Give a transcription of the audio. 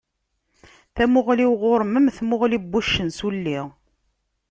Tamuɣli-w ɣur-m am tmuɣli n wuccen s wulli.